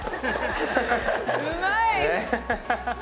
うまい！